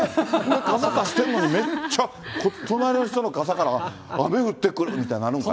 雨降ってるのに、めっちゃ、隣の人の傘から雨降ってくるみたいなあんのかな。